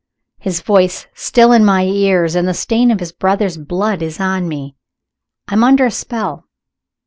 His voice is still in my ears, and the stain of his brother's blood is on me. I am under a spell!